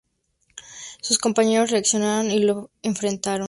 Sus compañeros reaccionaron y lo frenaron.